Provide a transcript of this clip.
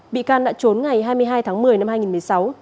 bị can đã trốn ngày hai mươi hai tháng một mươi năm hai nghìn một mươi sáu